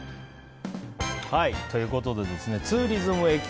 ということでツーリズムＥＸＰＯ。